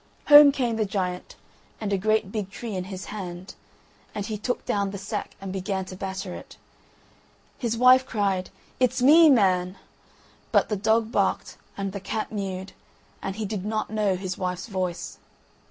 Home came the giant, and a great big tree in his hand, and he took down the sack, and began to batter it. His wife cried, "It's me, man;" but the dog barked and the cat mewed, and he did not know his wife's voice.